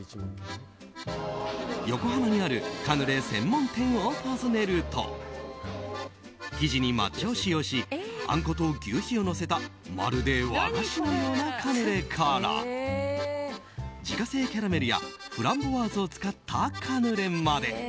横浜にあるカヌレ専門店を訪ねると生地に抹茶を使用しあんこと求肥をのせたまるで和菓子のようなカヌレから自家製キャラメルやフランボワーズを使ったカヌレまで。